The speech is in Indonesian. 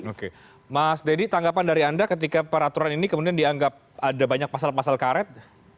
oke mas deddy tanggapan dari anda ketika peraturan ini kemudian dianggap ada banyak pasal pasal karet